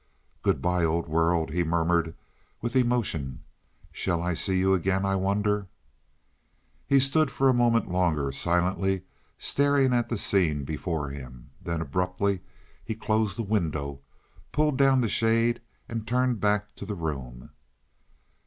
"Good by, old world," he murmured with emotion. "Shall I see you again, I wonder?" He stood a moment longer, silently staring at the scene before him. Then abruptly he closed the window, pulled down the shade, and turned back to the room.